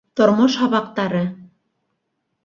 Тормош һабаҡтары